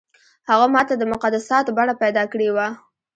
هغو ماته د مقدساتو بڼه پیدا کړې وه.